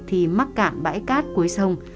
thì mắc cạn bãi cát cuối sông